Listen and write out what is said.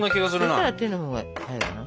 そしたら手のほうが早いかな。